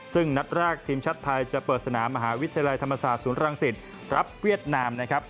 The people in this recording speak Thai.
ซึ่งนัดแรกทีมชาติไทยจะเปิดสนามมหาวิทยาลัยธรรมศาสตร์ศูนย์รังสิตรับเวียดนามนะครับ